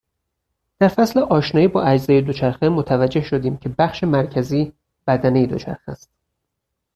در فصل آشنایی با اجزای دوچرخه متوجه شدیم که بخش مرکزی، بدنه دوچرخه است.